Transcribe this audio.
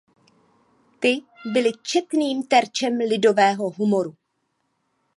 Ty byly četným terčem lidového humoru.